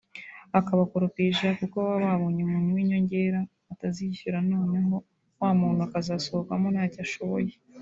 akabakoropesha kuko baba babonye umuntu w’inyongera batazishyura noneho wa muntu akazasohokamo ntacyo ashoboye